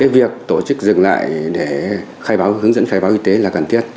việc tổ chức dừng lại để hướng dẫn khai báo y tế là cần thiết